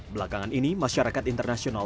belakangan ini masyarakat internasional